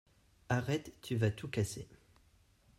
Arrête! Tu vas tout casser!